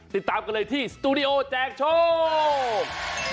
ติดตามกันเลยที่สตูดิโอแจกโชค